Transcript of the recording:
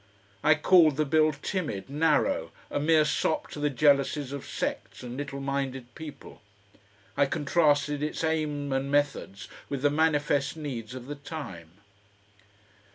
I called the Bill timid, narrow, a mere sop to the jealousies of sects and little minded people. I contrasted its aim and methods with the manifest needs of the time.